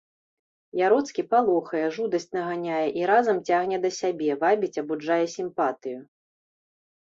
Яроцкі палохае, жудасць наганяе і разам цягне да сябе, вабіць, абуджае сімпатыю.